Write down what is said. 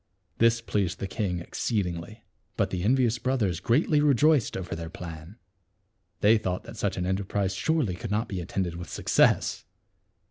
This pleased the king exceedingly. But the envious brothers greatly rejoiced over their plan. They thought that such an en terprise surely could not be attended with suc cess.